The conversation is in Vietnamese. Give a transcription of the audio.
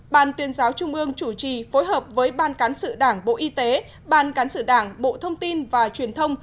ban tuyên giáo trung ương chủ trì phối hợp với ban cán sự đảng bộ y tế ban cán sự đảng bộ thông tin và truyền thông